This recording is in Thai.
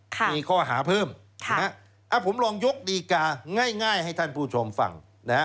มีข้อหาเพิ่มผมลองยกดีกาง่ายให้ท่านผู้ชมฟังนะฮะ